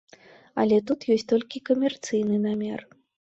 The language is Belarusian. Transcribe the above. Але тут ёсць толькі камерцыйны намер.